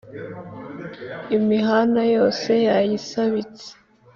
imihana yose yayisabitse,